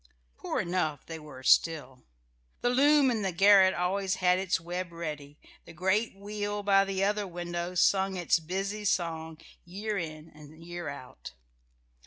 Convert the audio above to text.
Poor enough they were still. The loom in the garret always had its web ready, the great wheel by the other window sung its busy song year in and year out.